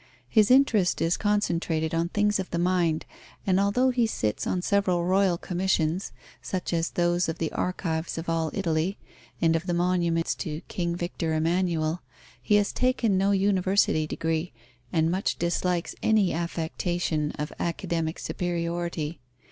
His interest is concentrated on things of the mind, and although he sits on several Royal Commissions, such as those of the Archives of all Italy and of the monument to King Victor Emmanuel, he has taken no university degree, and much dislikes any affectation of academic superiority.